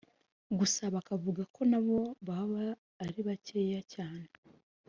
gusa bakavuga ko na bo baba ari bakeya cyane